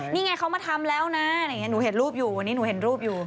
นี่ไงเขามาทำแล้วนะหนูเห็นรูปอยู่วันนี้หนูเห็นรูปอยู่